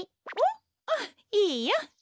あっいいよ。